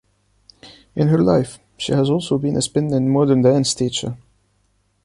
In her life she has also been a spin and modern dance teacher.